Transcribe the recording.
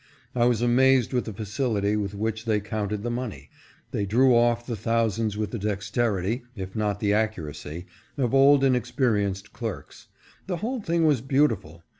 I was amazed with the facility with which they counted the money. They threw off the thousands with the dexterity, if not the accuracy, of old and experienced clerks. The whole thing was beautiful.